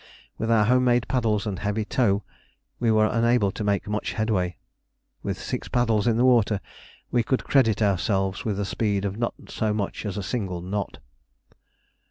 With our home made paddles and heavy tow we were unable to make much headway. With six paddles in the water, we could credit ourselves with a speed of not so much as a single knot.